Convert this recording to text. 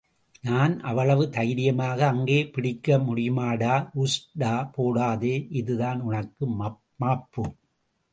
நான் அவ்வளவு தைரியமாக அங்கே பிடிக்க முடியுமாடா? உஸ்... டா போடாதே.... இதுதான் உனக்கு மாப்பு!..